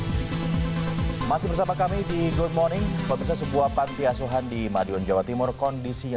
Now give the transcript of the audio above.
hai masih bersama kami di good morning sebuah panti asuhan di madiun jawa timur kondisinya